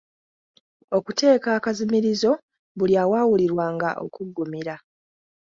Okuteeka akazimirizo buli awaawulirwanga okuggumira.